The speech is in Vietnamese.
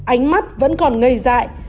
ánh mắt vẫn còn ngây dại